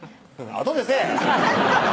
あとでせぇ！